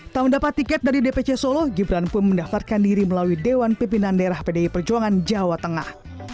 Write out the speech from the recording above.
tak mendapat tiket dari dpc solo gibran pun mendaftarkan diri melalui dewan pimpinan daerah pdi perjuangan jawa tengah